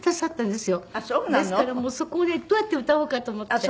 ですからそこでどうやって歌おうかと思って。